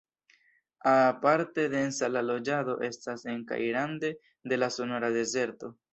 Aparte densa la loĝado estas en kaj rande de la Sonora-dezerto.